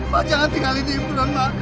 ma jangan tinggal ini ibu rona